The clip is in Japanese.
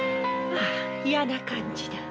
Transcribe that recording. ああ嫌な感じだ。